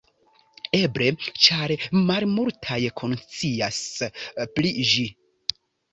Eble ĉar malmultaj konscias pri ĝi?